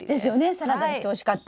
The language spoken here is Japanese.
サラダにしておいしかった。